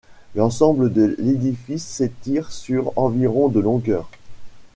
L'ensemble de l'édifice s'étire sur environ de longueur.